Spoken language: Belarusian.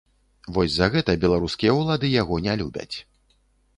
Вось за гэта беларускія ўлады яго не любяць.